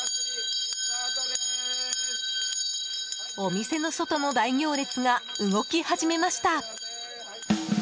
お店の外の大行列が動き始めました。